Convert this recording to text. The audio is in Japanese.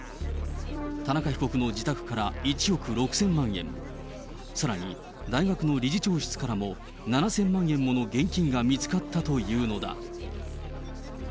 田中被告の自宅から１億６０００万円、さらに、大学の理事長室からも７０００万円もの現金が見つかったというのだ。